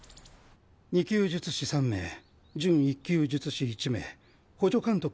２級術師３名準１級術師１名補助監督